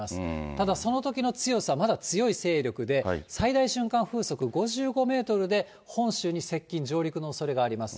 ただそのときの強さ、まだ強い勢力で、最大瞬間風速５５メートルで本州に接近、上陸のおそれがあります。